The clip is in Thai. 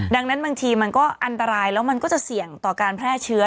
ดังนั้นบางทีมันก็อันตรายแล้วมันก็จะเสี่ยงต่อการแพร่เชื้อ